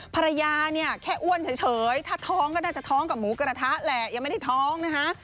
ภรรยาเนี่ยแค่อ้วนเฉยถ้าท้องก็น่าจะท้องกับหมูกระทะแหละยังไม่ได้ท้องนะคะ